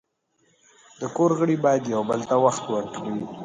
د کور غړي باید یو بل ته وخت ورکړي.